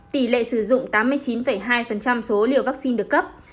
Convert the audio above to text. tỷ lệ sử dụng tám mươi chín hai số liều vaccine được cấp